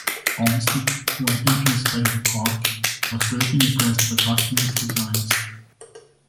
Olmsted, who was influenced by the park, was greatly impressed by Paxton's designs.